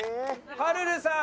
ぱるるさん。